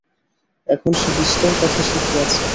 এখন সে বিস্তর কথা শিখিয়াছে।